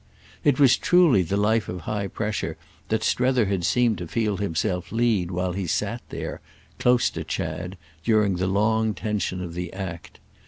It was truly the life of high pressure that Strether had seemed to feel himself lead while he sat there, close to Chad, during the long tension of the act.